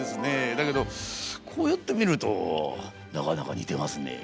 だけどこうやって見るとなかなか似てますね。